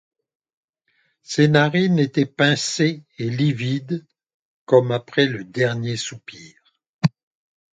Ses narines étaient pincées et livides comme après le dernier soupir.